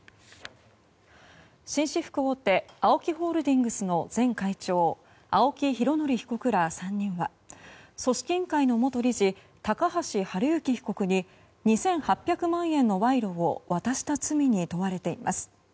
紳士服大手ＡＯＫＩホールディングスの前会長青木拡憲被告ら３人は組織委員会の元理事高橋治之被告に２８００万円の賄賂を渡した罪に問われています。